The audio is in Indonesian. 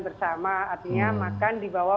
bersama artinya makan dibawa